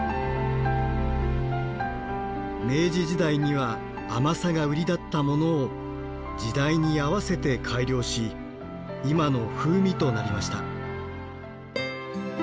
明治時代には甘さが売りだったものを時代に合わせて改良し今の風味となりました。